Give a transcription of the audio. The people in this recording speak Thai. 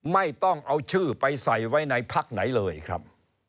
ไม่ต้องเอาชื่อไปใส่ไว้ในพักไหนเลยครับ